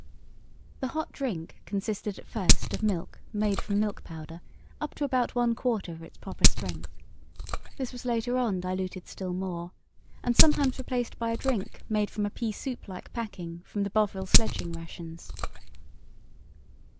The hot drink consisted at first of milk made from milk powder up to about one quarter of its proper strength. This was later on diluted still more, and sometimes replaced by a drink made from a pea soup like packing from the Bovril sledging rations.